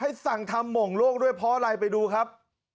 สั่งทำหม่งโลกด้วยเพราะอะไรไปดูครับ